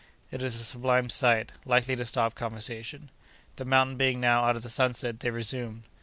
It is a sublime sight, likely to stop conversation. The mountain being now out of the sunset, they resumed.